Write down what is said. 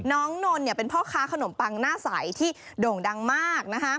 นนเป็นพ่อค้าขนมปังหน้าใสที่โด่งดังมาก